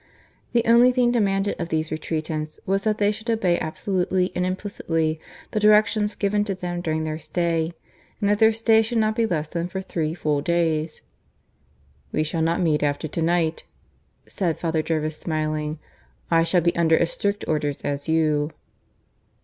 The only thing demanded of these retreatants was that they should obey, absolutely and implicitly, the directions given to them during their stay, and that their stay should not be less than for three full days. "We shall not meet after to night," said Father Jervis, smiling, "I shall be under as strict orders as you."